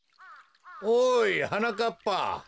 ・おいはなかっぱ。